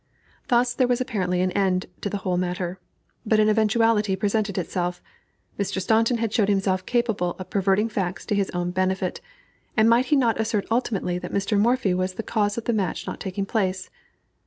Thus there was apparently an end to the whole matter. But an eventuality presented itself: Mr. Staunton had shown himself capable of perverting facts to his own benefit, and might he not assert ultimately that Mr. Morphy was the cause of the match not taking place?